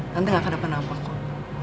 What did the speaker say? nanti gak akan ada penampak kok